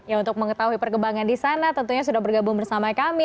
ya untuk mengetahui perkembangan di sana tentunya sudah bergabung bersama kami